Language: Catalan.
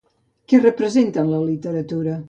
Què representa en la literatura?